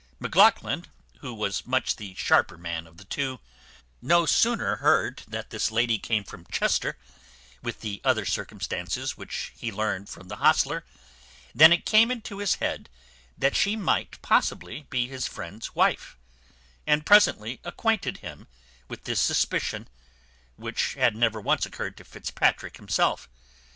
Maclachlan, who was much the sharper man of the two, no sooner heard that this lady came from Chester, with the other circumstances which he learned from the hostler, than it came into his head that she might possibly be his friend's wife; and presently acquainted him with this suspicion, which had never once occurred to Fitzpatrick himself.